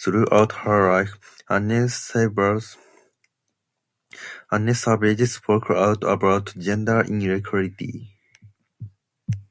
Throughout her life, Anne Savage spoke out about gender inequity.